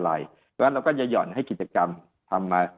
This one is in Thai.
เพราะฉะนั้นเราก็จะห่อนให้กิจกรรมทำมา